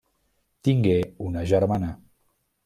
Tingué una germana.